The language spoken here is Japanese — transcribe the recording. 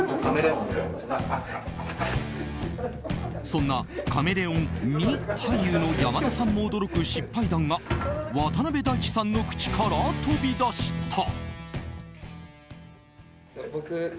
そんなカメレオン似俳優の山田さんも驚く失敗談が渡辺大知さんの口から飛び出した。